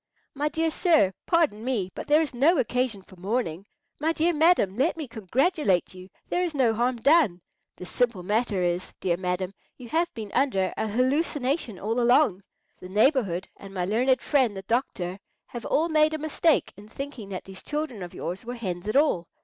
"My dear sir, pardon me; but there is no occasion for mourning. My dear madam, let me congratulate you. There is no harm done. The simple matter is, dear madam, you have been under a hallucination all along. The neighbourhood and my learned friend the doctor have all made a mistake in thinking that these children of yours were hens at all.